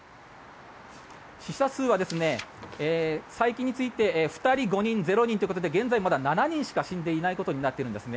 死者数は最近について２人、５人、０人ということで現在、まだ７人しか死んでいないことになっているんですね。